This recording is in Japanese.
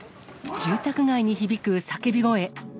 住宅街に響く叫び声。